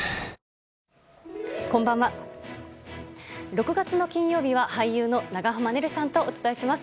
６月の金曜日は、俳優の長濱ねるさんとお伝えします。